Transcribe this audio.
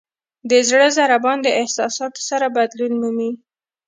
د زړه ضربان د احساساتو سره بدلون مومي.